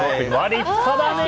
立派だね！